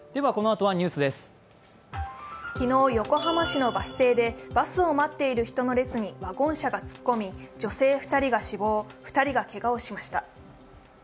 昨日、横浜市のバス停でバスを待っている人の列にワゴン車が突っ込み、女性２人が死亡、２人がけがをしました。